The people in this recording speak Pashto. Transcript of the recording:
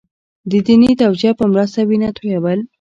د دیني توجیه په مرسته وینه تویول.